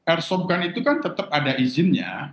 airsoft gun itu kan tetap ada izinnya